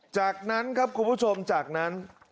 จากนั้นครับคุณผู้ชมจากนั้น